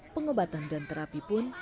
pengobatan dan terapi pun